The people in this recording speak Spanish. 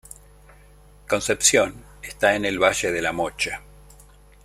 Concepción está en el Valle de la Mocha.